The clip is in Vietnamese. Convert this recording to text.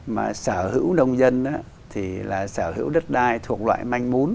mà sở hữu nông dân thì là sở hữu đất đai thuộc loại manh mún